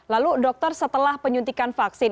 lalu dokter setelah penyuntikan vaksin